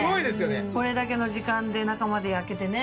これだけの時間で中まで焼けてね。